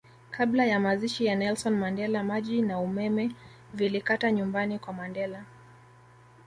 Kabla ya mazishi ya Nelson Mandela maji na umeme vilikata nyumbani kwa Mandela